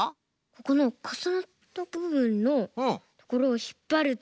ここのかさなったぶぶんのところをひっぱると。